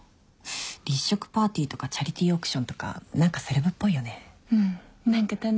立食パーティーとかチャリティーオークションとか何かセレブっぽいよね。